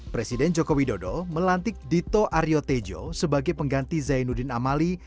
presiden joko widodo melantik dito aryo tejo sebagai pengganti zainuddin amali